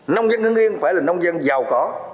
nông dân hưng yên phải là nông dân giàu có